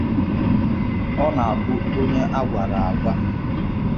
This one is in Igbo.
Ọ na-abụ onye a gwara agwa